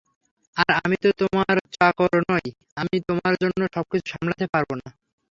আর আমি তো তোমার চাকর নই, আমি তোমার জন্য সবকিছু সামলাতে পারবো না।